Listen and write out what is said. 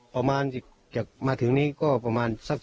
ประมาณมาถึงนี่ก็ประมาณสัก๒วัน